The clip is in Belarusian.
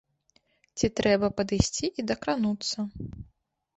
Ці трэба падысці і дакрануцца.